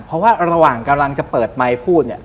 เพราะว่าระหว่างกำลังจะเปิดไมค์พูดเนี่ย